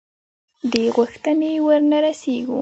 دې غوښتنې ورنه رسېږو.